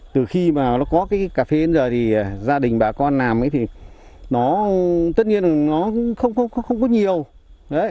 từ khi mà nó có cái cà phê đến giờ thì gia đình bà con làm ấy thì nó tất nhiên là nó không có hệ thống xử lý nước thải